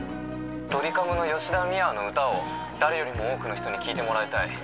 ドリカムの吉田美和の歌を、誰よりも多くの人に聴いてもらいたい。